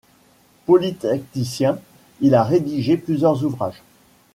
Polytechnicien il a rédigé plusieurs ouvrages.